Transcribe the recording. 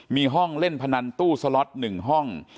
มีห้องเล่นพนันตู้สล็อต๑ห้อง